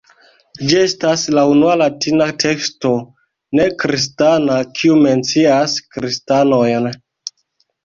Ĝi estas la unua Latina teksto ne-kristana, kiu mencias kristanojn.